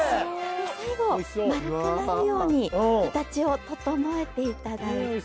最後丸くなるように形を整えていただいて。